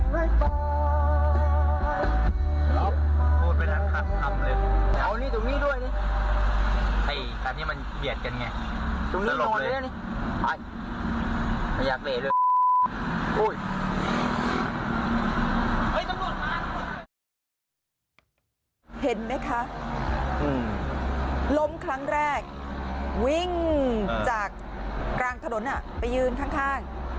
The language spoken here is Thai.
เห็นไหมคะล้มครั้งแรกวิ่งจากกลางถนนไปยืนข้าง